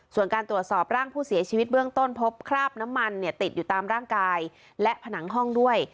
ส่วนการตรวจสอบร่างผู้เสียชีวิตเบื้องต้นพบคราบน้ำมันเนี่ยติดอยู่ตามร่างกายและผนังห้องด้วย